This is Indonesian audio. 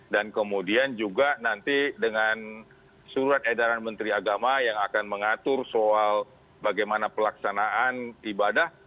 dan kemudian juga nanti dengan surat edaran menteri agama yang akan mengatur soal bagaimana pelaksanaan ibadah